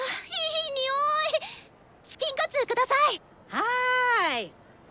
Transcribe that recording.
はい。